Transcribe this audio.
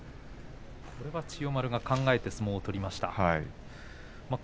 千代丸が考えて相撲を取りました。